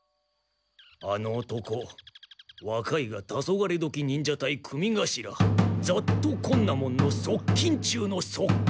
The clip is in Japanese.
あの男若いがタソガレドキ忍者隊組頭雑渡昆奈門の側近中の側近。